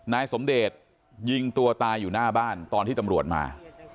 นายสมเดชยิงตัวตายอยู่หน้าบ้านตอนที่ตำรวจมา